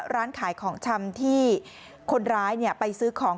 ร้านขายของชำที่คนร้ายไปซื้อของ